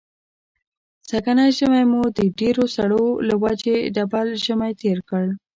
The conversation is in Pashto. سږنی ژمی مو د ډېرو سړو له وجې ډبل ژمی تېر کړ.